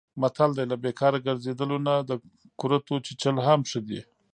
متل دی: له بیکاره ګرځېدلو نه د کورتو چیچل هم ښه دي.